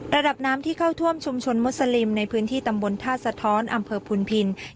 ระดับน้ำที่เข้าท่วมชุมชนมุสลิมในพื้นที่ตำบลท่าสะท้อนอำเภอพุนพิน